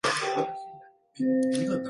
栃木県芳賀町